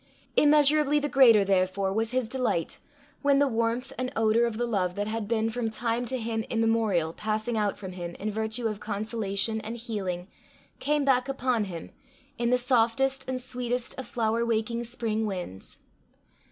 Immeasurably the greater therefore was his delight, when the warmth and odour of the love that had been from time to him immemorial passing out from him in virtue of consolation and healing, came back upon him in the softest and sweetest of flower waking spring winds.